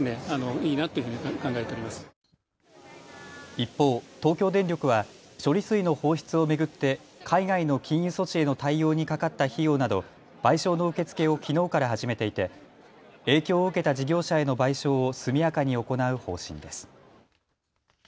一方、東京電力は処理水の放出を巡って海外の禁輸措置への対応にかかった費用など賠償の受け付けをきのうから始めていて影響を受けた事業者への賠償を速やかに行う方針です。